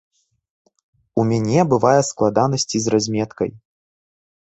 У мяне бывае складанасці з разметкай.